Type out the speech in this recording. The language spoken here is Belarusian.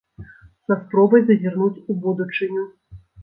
Са спробай зазірнуць у будучыню.